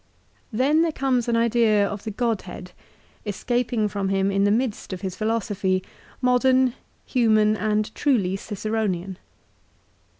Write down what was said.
" 2 Then there comes an idea of the Godhead, escaping from him in the midst of his philosophy, modern, human, and truly Ciceronian.